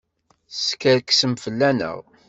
Teskerksem fell-aneɣ!